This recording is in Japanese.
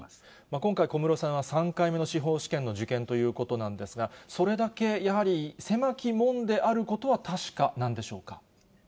今回、小室さんは３回目の司法試験の受験ということなんですが、それだけやはり狭き門であることは確かなんでしょうか。